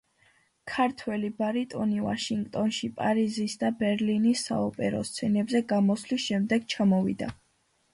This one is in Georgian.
ქართველი ბარიტონი ვაშინგტონში პარიზის და ბერლინის საოპერო სცენებზე გამოსვლის შემდეგ ჩამოვიდა.